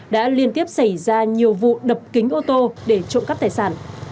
đã liên tiếp xảy ra nhiều vụ đập kính ô tô để trộm cắp tài sản